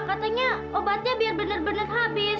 katanya obatnya biar bener bener habis